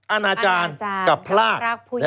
อาณาจารย์กับพลาก